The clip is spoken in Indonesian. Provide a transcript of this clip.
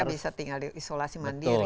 kalau bisa tinggal di isolasi mandiri